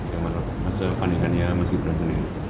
yang mana masa pandangannya meski berantem ini